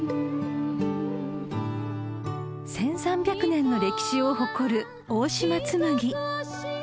［１，３００年の歴史を誇る大島紬］